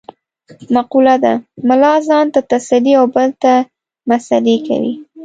مقوله ده : ملا ځان ته تسلې او بل ته مسعلې کوي.